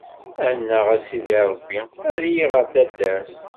Annaɣ a Sidi Ṛebbi, err-iyi ɣer taddart.